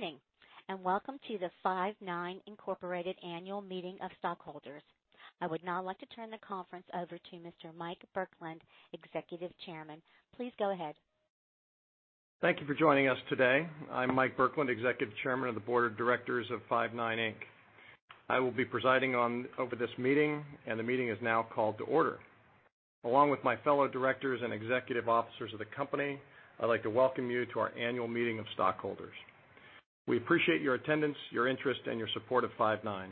Morning, welcome to the Five9, Inc. annual meeting of stockholders. I would now like to turn the conference over to Mr. Mike Burkland, Executive Chairman. Please go ahead. Thank you for joining us today. I'm Mike Burkland, Executive Chairman of the Board of Directors of Five9, Inc. I will be presiding over this meeting. The meeting is now called to order. Along with my fellow directors and executive officers of the company, I'd like to welcome you to our annual meeting of stockholders. We appreciate your attendance, your interest, and your support of Five9.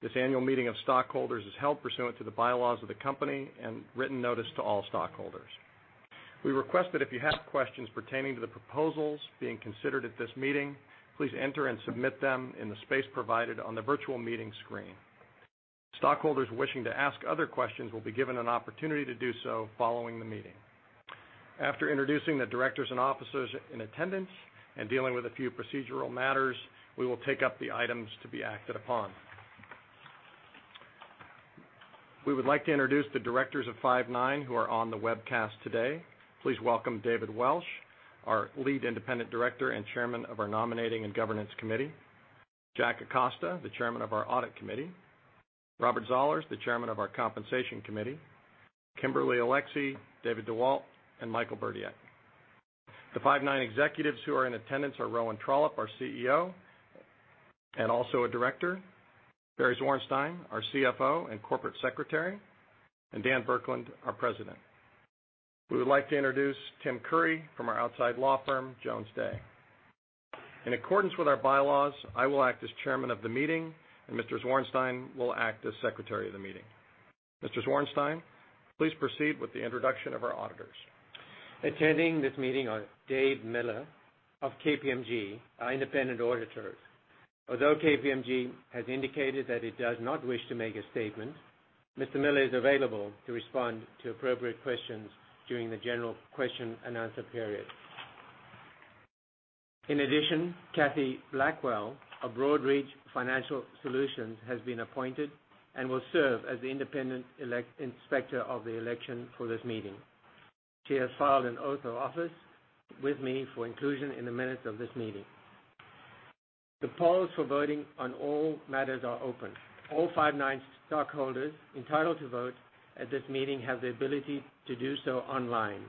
This annual meeting of stockholders is held pursuant to the bylaws of the company and written notice to all stockholders. We request that if you have questions pertaining to the proposals being considered at this meeting, please enter and submit them in the space provided on the virtual meeting screen. Stockholders wishing to ask other questions will be given an opportunity to do so following the meeting. After introducing the directors and officers in attendance and dealing with a few procedural matters, we will take up the items to be acted upon. We would like to introduce the directors of Five9 who are on the webcast today. Please welcome David Welsh, our lead independent director and chairman of our Nominating and Governance Committee, Jack Acosta, the chairman of our Audit Committee, Robert Zollars, the chairman of our Compensation Committee, Kimberly Alexy, David DeWalt, and Michael Burdiek. The Five9 executives who are in attendance are Rowan Trollope, our CEO, and also a director, Barry Zwarenstein, our CFO and Corporate Secretary, and Dan Burkland, our President. We would like to introduce Timothy Curry from our outside law firm, Jones Day. In accordance with our bylaws, I will act as chairman of the meeting. Mr. Zwarenstein will act as secretary of the meeting. Mr. Zwarenstein, please proceed with the introduction of our auditors. Attending this meeting are David Miller of KPMG, our independent auditors. Although KPMG has indicated that it does not wish to make a statement, Mr. Miller is available to respond to appropriate questions during the general question and answer period. In addition, Kathy Blackwell of Broadridge Financial Solutions has been appointed and will serve as the independent inspector of the election for this meeting. She has filed an oath of office with me for inclusion in the minutes of this meeting. The polls for voting on all matters are open. All Five9 stockholders entitled to vote at this meeting have the ability to do so online.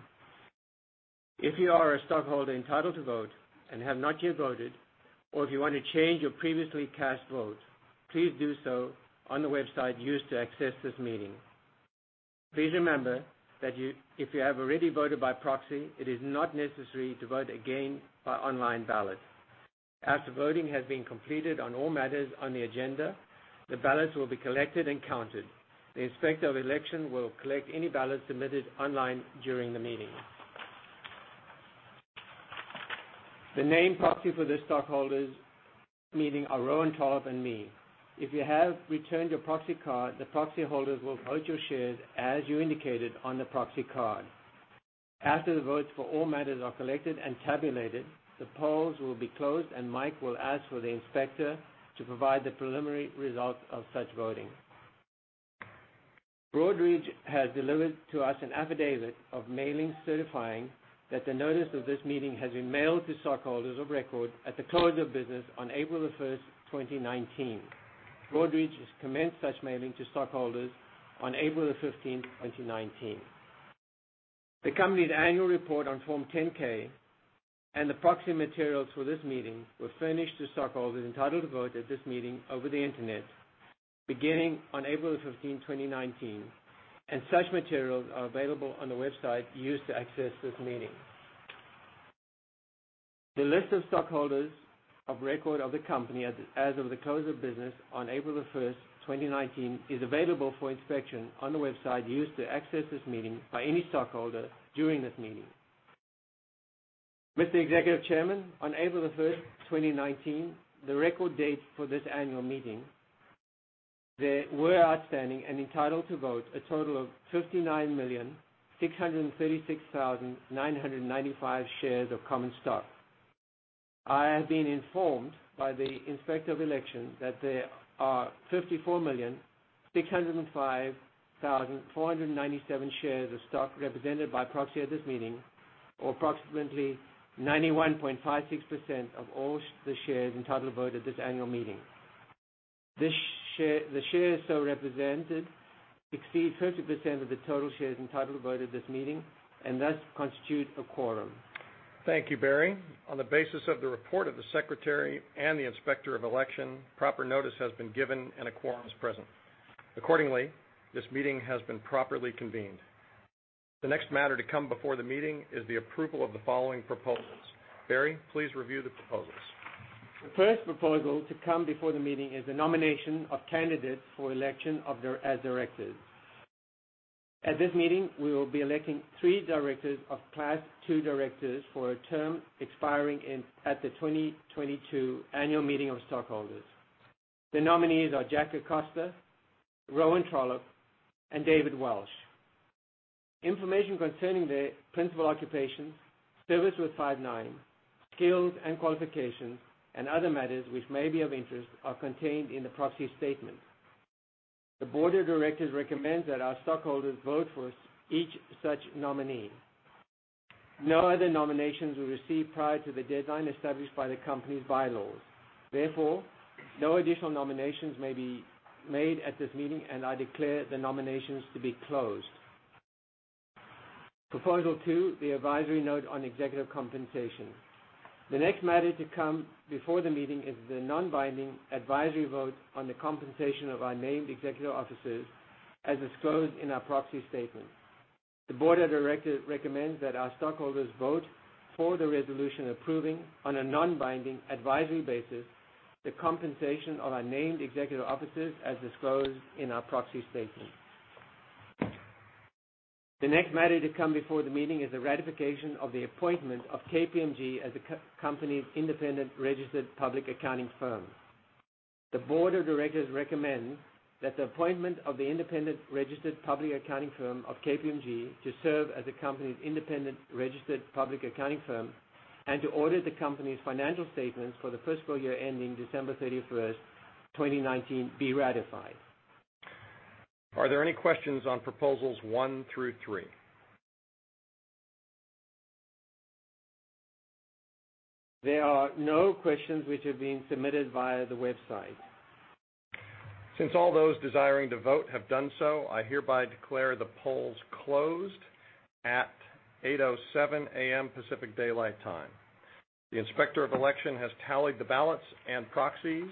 If you are a stockholder entitled to vote and have not yet voted, or if you want to change your previously cast vote, please do so on the website used to access this meeting. Please remember that if you have already voted by proxy, it is not necessary to vote again by online ballot. After voting has been completed on all matters on the agenda, the ballots will be collected and counted. The Inspector of Election will collect any ballots submitted online during the meeting. The named proxy for the stockholders meeting are Rowan Trollope and me. If you have returned your proxy card, the proxy holders will vote your shares as you indicated on the proxy card. After the votes for all matters are collected and tabulated, the polls will be closed, and Mike will ask for the inspector to provide the preliminary results of such voting. Broadridge has delivered to us an affidavit of mailing certifying that the notice of this meeting has been mailed to stockholders of record at the close of business on April 1st, 2019. Broadridge commenced such mailing to stockholders on April 15th, 2019. The company's annual report on Form 10-K and the proxy materials for this meeting were furnished to stockholders entitled to vote at this meeting over the Internet beginning on April 15th, 2019, and such materials are available on the website used to access this meeting. The list of stockholders of record of the company as of the close of business on April 1st, 2019, is available for inspection on the website used to access this meeting by any stockholder during this meeting. Mr. Executive Chairman, on April 1st, 2019, the record date for this annual meeting, there were outstanding and entitled to vote a total of 59,636,995 shares of common stock. I have been informed by the Inspector of Election that there are 54,605,497 shares of stock represented by proxy at this meeting, or approximately 91.56% of all the shares entitled to vote at this annual meeting. The shares so represented exceed 50% of the total shares entitled to vote at this meeting and thus constitute a quorum. Thank you, Barry. On the basis of the report of the Secretary and the Inspector of Election, proper notice has been given, and a quorum is present. Accordingly, this meeting has been properly convened. The next matter to come before the meeting is the approval of the following proposals. Barry, please review the proposals. The first proposal to come before the meeting is the nomination of candidates for election as directors. At this meeting, we will be electing three directors of class 2 directors for a term expiring at the 2022 annual meeting of stockholders. The nominees are Jack Acosta, Rowan Trollope, and David Welsh. Information concerning their principal occupations, service with Five9, skills and qualifications, and other matters which may be of interest are contained in the proxy statement. The board of directors recommends that our stockholders vote for each such nominee. No other nominations were received prior to the deadline established by the company's bylaws. No additional nominations may be made at this meeting, and I declare the nominations to be closed. Proposal two, the advisory note on executive compensation. The next matter to come before the meeting is the non-binding advisory vote on the compensation of our named executive officers as disclosed in our proxy statement. The board of directors recommends that our stockholders vote for the resolution approving, on a non-binding advisory basis, the compensation of our named executive officers as disclosed in our proxy statement. The next matter to come before the meeting is the ratification of the appointment of KPMG as the company's independent registered public accounting firm. The board of directors recommends that the appointment of the independent registered public accounting firm of KPMG to serve as the company's independent registered public accounting firm and to audit the company's financial statements for the first full year ending December 31st, 2019, be ratified. Are there any questions on proposals one through three? There are no questions which are being submitted via the website. Since all those desiring to vote have done so, I hereby declare the polls closed at 8:07 A.M. Pacific Daylight Time. The Inspector of Election has tallied the ballots and proxies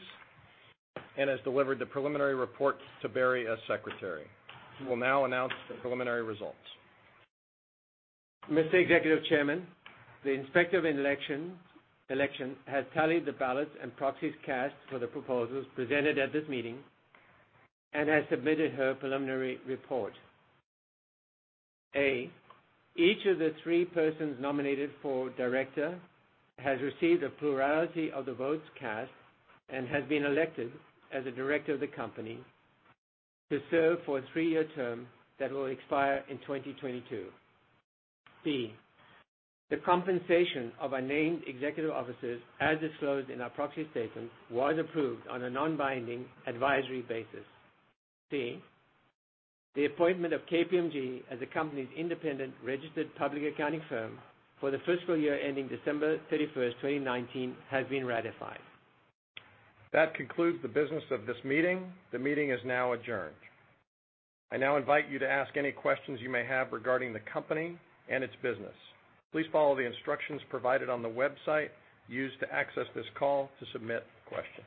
and has delivered the preliminary report to Barry, our secretary, who will now announce the preliminary results. Mr. Executive Chairman, the Inspector of Election has tallied the ballots and proxies cast for the proposals presented at this meeting and has submitted her preliminary report. A, each of the three persons nominated for director has received a plurality of the votes cast and has been elected as a director of the company to serve for a three-year term that will expire in 2022. B, the compensation of our named executive officers, as disclosed in our proxy statement, was approved on a non-binding advisory basis. C, the appointment of KPMG as the company's independent registered public accounting firm for the first full year ending December 31st, 2019, has been ratified. That concludes the business of this meeting. The meeting is now adjourned. I now invite you to ask any questions you may have regarding the company and its business. Please follow the instructions provided on the website used to access this call to submit questions.